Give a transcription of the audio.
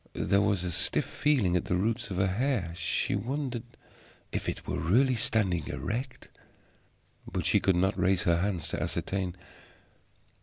There was a stiff feeling at the roots of her hair; she wondered if it were really standing erect. But she could not raise her hand to ascertain.